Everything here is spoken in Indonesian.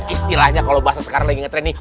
istilahnya kalau bahasa sekarang lagi ngetrend nih